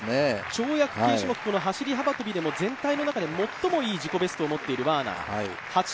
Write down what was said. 跳躍系種目で、走幅跳で全体の中で最もいい自己ベストを持っているワーナー。